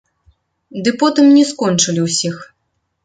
Ды потым не скончылі ўсіх.